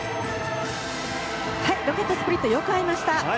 ロケットスプリットもよく合いました。